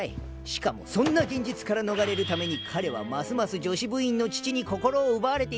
しかもそんな現実から逃れるために彼はますます女子部員の乳に心を奪われています。